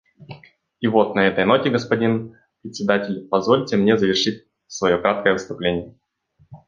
И вот на этой ноте, господин Председатель, и позвольте мне завершить свое краткое выступление.